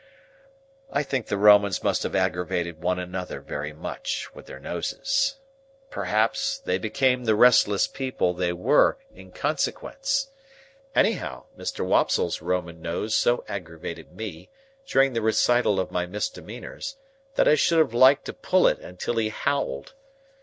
I think the Romans must have aggravated one another very much, with their noses. Perhaps, they became the restless people they were, in consequence. Anyhow, Mr. Wopsle's Roman nose so aggravated me, during the recital of my misdemeanours, that I should have liked to pull it until he howled.